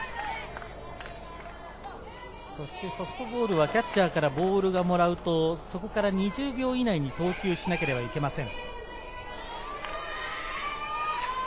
そしてソフトボールはキャッチャーからボールをもらうと、そこから２０秒以内に投球しなければいけません。